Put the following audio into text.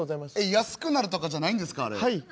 安くなるやつじゃないんですか？